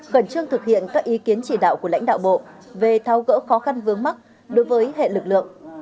khẩn trương thực hiện các ý kiến chỉ đạo của lãnh đạo bộ về thao gỡ khó khăn vướng mắt đối với hệ lực lượng